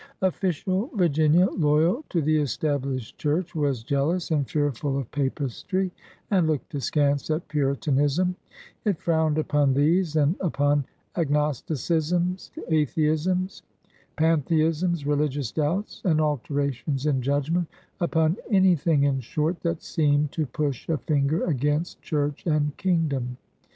Official Virginia, loyal to the Established Church, was jealous and fearful of Papistry ' and looked askance at Puritanism. It frowned upon these and upon agnosticisms, atheisms, pantheisms, religious doubts, and alterations in judgment — upon any ui^aH ■i^HMHiMaMad CHUBCH AND KINGDOM 186 thing, in short, that seemed to push a finger against Church and Kingdom.